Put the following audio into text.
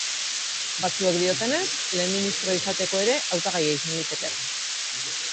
Batzuek diotenez, lehen ministroa izateko ere hautagaia izan liteke.